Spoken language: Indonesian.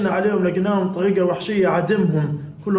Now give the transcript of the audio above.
kami berharap kami menemukan mereka dengan cara berbahaya